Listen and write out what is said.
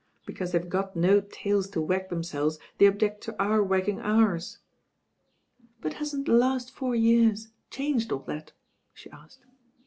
"Because theyVc got no tails to wag themselves, they object to our wag* ging ours." "But hasn't the last four years changed all that?" she asked.